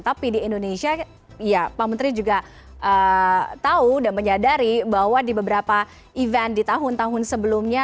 tapi di indonesia ya pak menteri juga tahu dan menyadari bahwa di beberapa event di tahun tahun sebelumnya